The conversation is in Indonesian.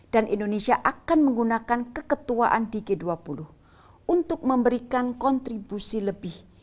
dan indonesia akan menggunakan keketuaan di g dua puluh untuk memberikan kontribusi lebih